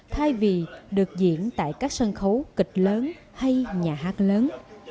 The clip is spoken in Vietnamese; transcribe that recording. thay vì được diễn tại các sân khấu kịch lớn hay nhà hát lớn